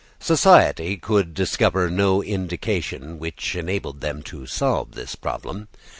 Society could discover no indication which enabled them to solve this problem.